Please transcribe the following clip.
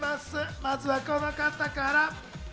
まずはこの方から！